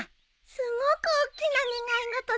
すごくおっきな願い事だね。